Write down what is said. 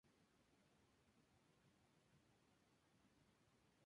Sus extremidades son altas y fuertes y tienen con articulaciones grandes.